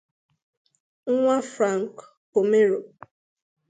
nnwa Frank Pomeroy